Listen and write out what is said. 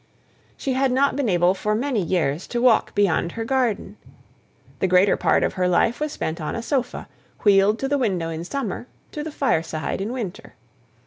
She had not been able for many years to walk beyond her garden; the greater part of her life was spent on a sofa, wheeled to the window in summer, to the fireside in winter.